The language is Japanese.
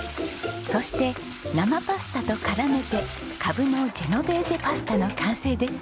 そして生パスタと絡めてカブのジェノベーゼパスタの完成です。